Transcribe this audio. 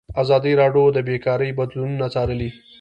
ازادي راډیو د بیکاري بدلونونه څارلي.